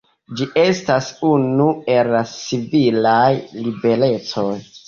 Ĝi estas unu el la civilaj liberecoj.